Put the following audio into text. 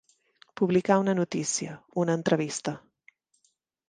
Publicar una notícia, una entrevista.